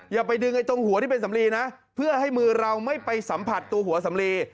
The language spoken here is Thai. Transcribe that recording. อย่าไปดึงไอ้ตรงหัวที่เป็นสำลีนะเพื่อให้มือเราไม่ไปสัมผัสตัวหัวสำลี